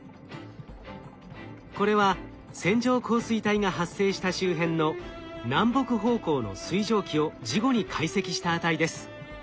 これは線状降水帯が発生した周辺の南北方向の水蒸気を事後に解析した値です。